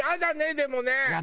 でもね！